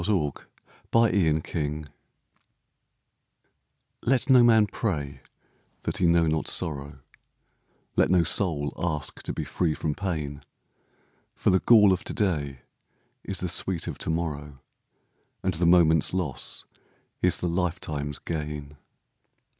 LIFE'S HARMONIES Let no man pray that he know not sorrow, Let no soul ask to be free from pain, For the gall of to day is the sweet of to morrow, And the moment's loss is the lifetime's gain.